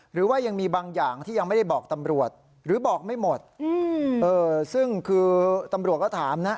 หรือว่ายังมีบางอย่างที่ยังไม่ได้บอกตำรวจหรือบอกไม่หมดซึ่งคือตำรวจก็ถามนะ